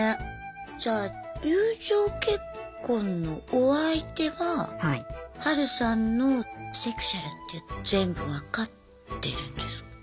じゃあ友情結婚のお相手はハルさんのセクシュアルって全部分かってるんですか？